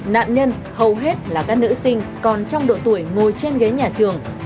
nạn nhân hầu hết là các nữ sinh còn trong độ tuổi ngồi trên ghế nhà trường